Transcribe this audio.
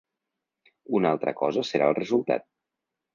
Una altra cosa serà el resultat.